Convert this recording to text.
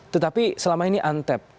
tetapi selama ini untapped